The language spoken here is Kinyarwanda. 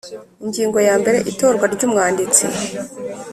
Ingingo yambere Itorwa ry Umwanditsi